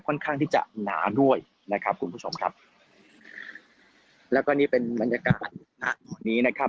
ค่อนข้างที่จะหนาด้วยนะครับคุณผู้ชมครับแล้วก็นี่เป็นบรรยากาศณตอนนี้นะครับ